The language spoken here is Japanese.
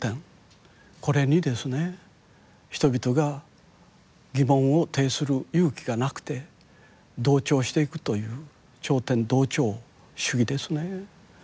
人々が疑問を呈する勇気がなくて同調していくという頂点同調主義ですね